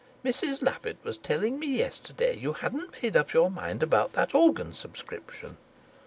"Mrs Lovatt was telling me yesterday you hadn't made up your mind about that organ subscription."